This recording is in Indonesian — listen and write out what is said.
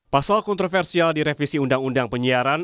pasal kontroversial di revisi undang undang penyiaran